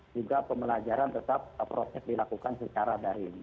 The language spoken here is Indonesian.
juga pemelajaran tetap proses dilakukan secara darin